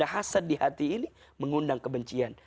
hasad di hati ini mengundang kebencian